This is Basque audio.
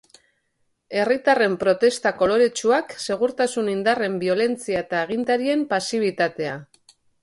Herritarren protesta koloretsuak, segurtasun indarren biolentzia eta agintarien pasibitatea.